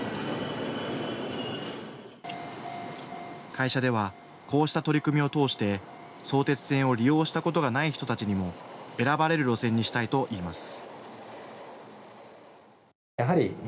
会社ではこうした取り組みを通して相鉄線を利用したことがない人たちにも選ばれる路線にしたいといいます。